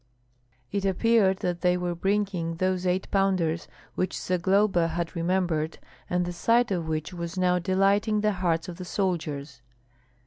It appeared that they were bringing those eight pounders which Zagloba had remembered, and the sight of which was now delighting the hearts of the soldiers.